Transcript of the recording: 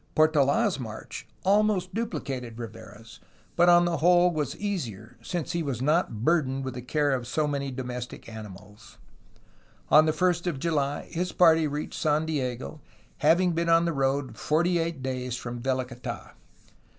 Portola' s march almost dupHcated Rivera's, but on the whole was easier, since he was not burdened with the care of so many 224 A HISTORY OF CALIFORNIA domestic animals. On the 1st of July his party reached San Diego, having been on the road forty eight days from Velicata.